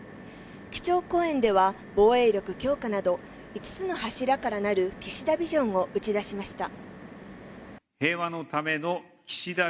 基調講演では、防衛力強化など５つの柱から成る岸田ビジョンを打ち出しました。